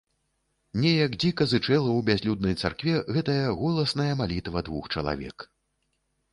Неяк дзіка зычэла ў бязлюднай царкве гэтая голасная малітва двух чалавек.